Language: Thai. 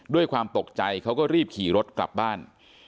ด้วยความตกใจเขาก็รีบขี่รถกลับบ้าน